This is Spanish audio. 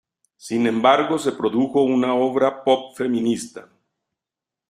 Sin embargo se produjo una obra pop feminista.